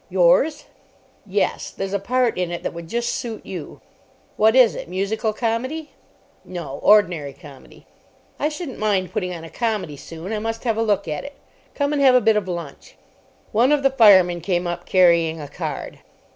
"Yours?" "Yes. There's a part in it that would just suit you." "What is it? Musical comedy?" "No. Ordinary comedy." "I shouldn't mind putting on a comedy soon. I must have a look at it. Come and have a bit of lunch." One of the firemen came up, carrying a card.